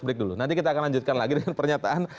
break dulu nanti kita akan lanjutkan lagi dengan pernyataan